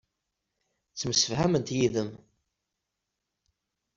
Ttemsefhament yid-m.